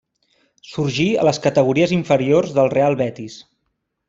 Sorgí a les categories inferiors del Real Betis.